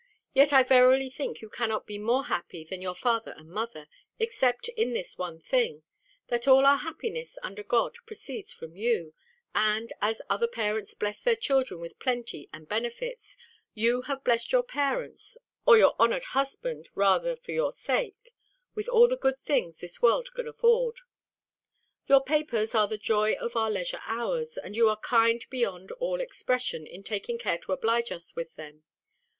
Yet I verily think you cannot be more happy than your father and mother, except in this one thing, that all our happiness, under God, proceeds from you; and, as other parents bless their children with plenty and benefits, you have blessed your parents (or your honoured husband rather for your sake) with all the good things this world can afford. Your papers are the joy of our leisure hours; and you are kind beyond all expression, in taking care to oblige us with them.